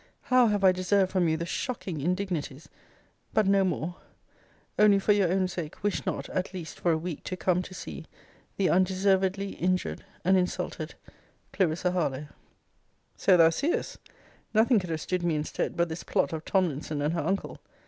how have I deserved from you the shocking indignities but no more only for your own sake, wish not, at least for a week to come, to see The undeservedly injured and insulted CLARISSA HARLOWE So thou seest, nothing could have stood me in stead, but this plot of Tomlinson and her uncle!